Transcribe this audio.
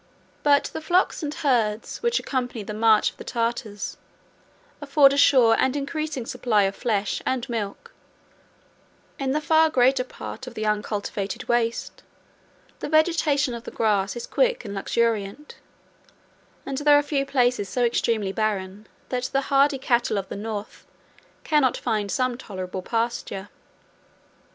But the flocks and herds, which accompany the march of the Tartars, afford a sure and increasing supply of flesh and milk: in the far greater part of the uncultivated waste, the vegetation of the grass is quick and luxuriant; and there are few places so extremely barren, that the hardy cattle of the North cannot find some tolerable pasture.